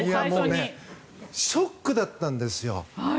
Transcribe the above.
もうねショックだったんですよ。